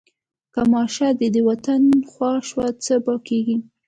که ماشه د ده د وطن خوا شوه څه به کېږي.